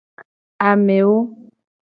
Amewo.